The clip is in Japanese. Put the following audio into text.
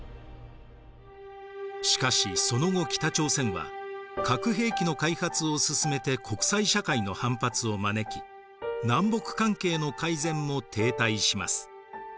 しかしその後北朝鮮は核兵器の開発を進めて国際社会の反発を招き南北関係の改善も停滞します。